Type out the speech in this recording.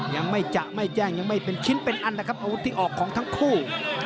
ยังไม่จะไม่แจ้งยังไม่เป็นชิ้นเป็นอันนะครับอาวุธที่ออกของทั้งคู่